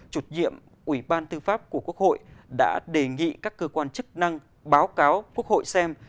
chủ nhiệm ủy ban tư pháp của quốc hội đã đề nghị các cơ quan chức năng báo cáo quốc hội xem